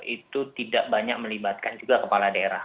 itu tidak banyak melibatkan juga kepala daerah